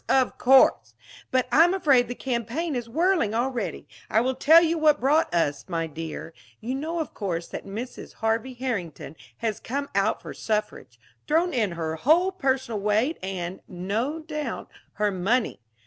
Of course! But I'm afraid the campaign is whirling already. I will tell you what brought us, my dear. You know of course that Mrs. Harvey Herrington has come out for suffrage thrown in her whole personal weight and, no doubt, her money.